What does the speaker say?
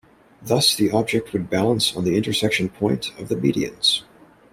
Thus the object would balance on the intersection point of the medians.